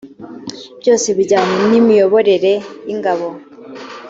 byose bijyanye n imiyoborere y ingabo